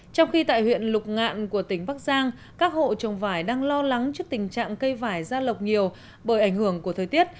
trong khi tại huyện lục ngạn của tỉnh bắc giang các hộ trồng vải đang lo lắng trước tình trạng cây vải gia lộc nhiều bởi ảnh hưởng của thời tiết